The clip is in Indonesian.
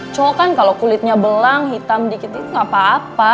co kan kalau kulitnya belang hitam dikit itu nggak apa apa